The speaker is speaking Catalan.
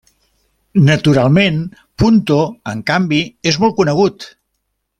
Naturalment, Punto, en canvi, és molt conegut.